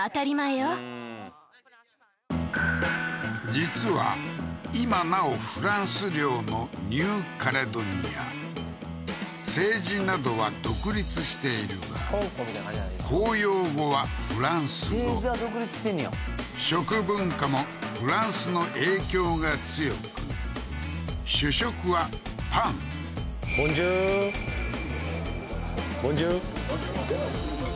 実は今なおフランス領のニューカレドニア政治などは独立しているが公用語はフランス語食文化もフランスの影響が強く主食はパンボンジュールボンジュールボンジュール